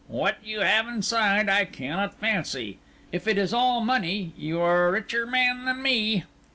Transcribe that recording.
What you have inside I cannot fancy. If it is all money, you are a richer man than me."